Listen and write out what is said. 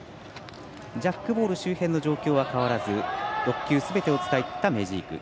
ジャックボール周辺の状況は変わらず６球すべてを使ったメジーク。